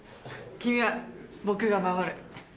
君は僕が守る。